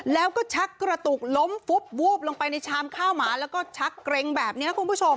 แล้วก็ชักกระตุกล้มฟุบวูบลงไปในชามข้าวหมาแล้วก็ชักเกร็งแบบนี้คุณผู้ชม